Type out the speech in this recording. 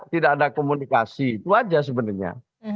tidak ada komunikasi itu aja sebenarnya